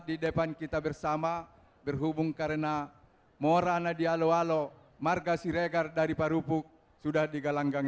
di depan kita bersama berhubung karena morana dialoalo marga siregar dari parupuk sudah digalanggangi